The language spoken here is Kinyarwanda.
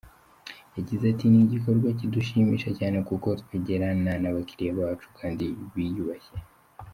Yagize ati "Ni igikorwa kidushimisha cyane kuko twegerana n’abakiriya bacu kandi biyubashye.